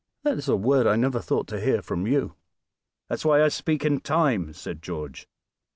"That is a word I never thought to hear from you." "That's why I speak in time," said George.